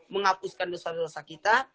menghapuskan dosa dosa kita